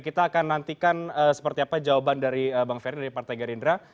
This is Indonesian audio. kita akan nantikan seperti apa jawaban dari bang ferry dari partai gerindra